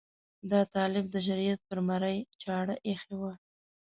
دا طالب د شریعت پر مرۍ چاړه ایښې وه.